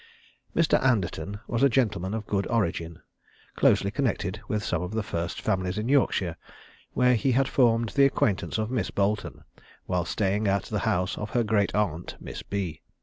Mr. Anderton was a gentleman of good origin, closely connected with some of the first families in Yorkshire, where he had formed the acquaintance of Miss Boleton, while staying at the house of her great aunt, Miss B